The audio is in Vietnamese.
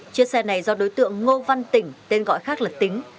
chiếc xe này do đối tượng ngô văn tỉnh tên gọi khác là tính